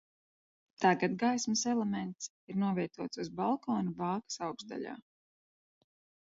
Tagad gaismas elements ir novietots uz balkona bākas augšdaļā.